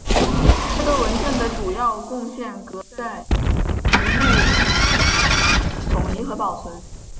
这个文件的主要贡献革在于路德教派的统一和保存。